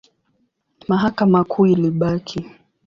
Mahakama Kuu ilibaki.